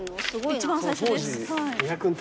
一番最初ですはい。